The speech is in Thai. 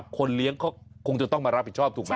คนเลี้ยงเขาคงจะต้องมารับผิดชอบถูกไหม